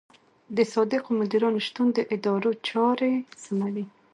د صادقو مدیرانو شتون د ادارو چارې سموي.